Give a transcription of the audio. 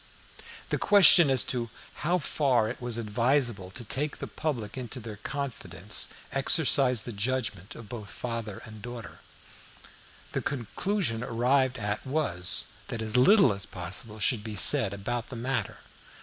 The question as to how far it was advisable to take the public into their confidence exercised the judgment of both father and daughter. The conclusion arrived at was that as little as possible should be said about the matter.